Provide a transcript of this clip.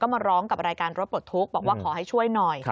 มาร้องกับรายการรถปลดทุกข์บอกว่าขอให้ช่วยหน่อย